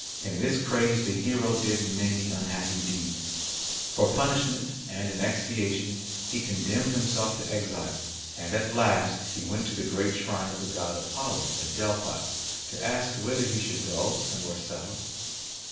In this craze the hero did many unhappy deeds. For punishment and in expiation he condemned himself to exile, and at last he went to the great shrine of the god Apollo at Delphi to ask whither he should go and where settle.